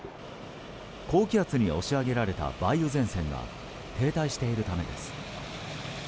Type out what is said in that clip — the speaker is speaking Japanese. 高気圧に押し上げられた梅雨前線が停滞しているためです。